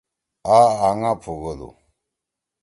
آ آنگا پُھوگودُو۔